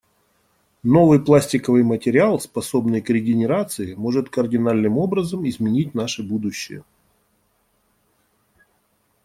Новый пластиковый материал, способный к регенерации, может кардинальным образом изменить наше будущее.